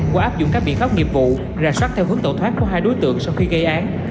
qua áp dụng các biện khắc nghiệp vụ rạng soát theo hướng tổ thoát của hai đối tượng sau khi gây án